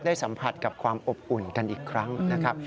สัมผัสกับความอบอุ่นกันอีกครั้งนะครับ